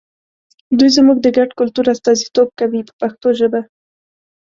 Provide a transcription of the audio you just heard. دوی زموږ د ګډ کلتور استازیتوب کوي په پښتو ژبه.